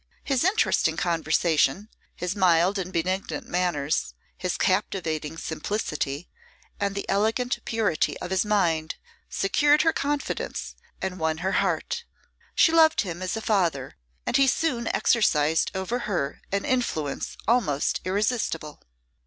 His interesting conversation, his mild and benignant manners, his captivating simplicity, and the elegant purity of his mind, secured her confidence and won her heart. She loved him as a father, and he soon exercised over her an influence almost irresistible.